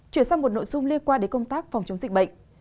chuyển sang một nội dung liên quan đến công tác phòng chống dịch bệnh